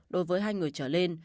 đối với hai người trở lên